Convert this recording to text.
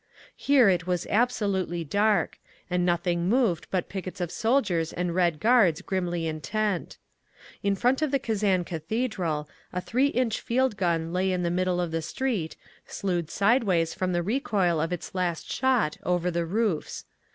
Here it was absolutely dark, and nothing moved but pickets of soldiers and Red Guards grimly intent. In front of the Kazan Cathedral a three inch field gun lay in the middle of the street, slewed sideways from the recoil of its last shot over the roofs.